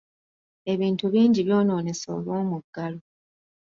Ebintu bingi byonoonese olw’omuggalo.